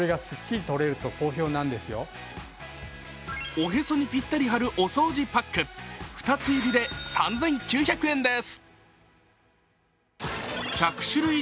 おへそにぴったり貼るお掃除パック、２つ入りで３９００円です。